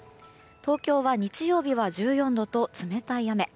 東京は日曜日は１４度と冷たい雨。